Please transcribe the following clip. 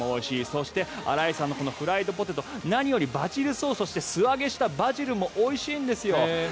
そして新井さんのフライドポテト何よりバジルソースそして素揚げしたバジルもおいしいんですよ。